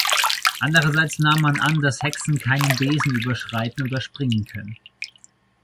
Andererseits nahm man an, dass Hexen keinen Besen überschreiten oder -springen können.